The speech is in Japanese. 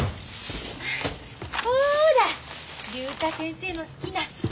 ほら竜太先生の好きなから揚げ